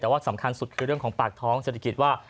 แต่ว่าสำคัญสุดคือเรื่องของปากท้องเศรษฐกิจว่า